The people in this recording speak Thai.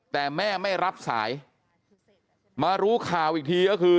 แต่แม่ไม่รับสายมารู้ข่าวอีกทีก็คือ